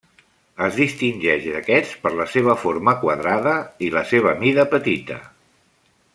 Es distingeix d'aquests per la seva forma quadrada i la seva mida petita.